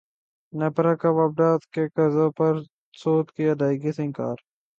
نیپرا کا واپڈا کے قرضوں پر سود کی ادائیگی سے انکار